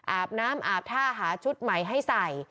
อาบน้ำอาบท่าหาชุดใหม่ให้ใส่